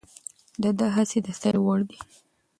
د ده هڅې د ستایلو وړ دي.